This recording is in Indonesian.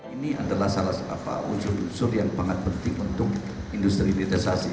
ini adalah salah satu unsur unsur yang sangat penting untuk industri hilirisasi